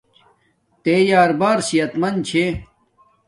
تے یار بار صحت مندا چھے